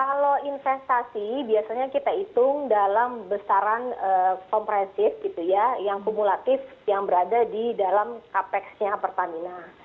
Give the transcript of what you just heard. kalau investasi biasanya kita hitung dalam besaran kompresif gitu ya yang kumulatif yang berada di dalam kapex nya pertamina